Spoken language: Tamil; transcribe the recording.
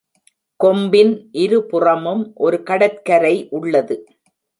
கொம்பின் இருபுறமும் ஒரு கடற்கரை உள்ளது.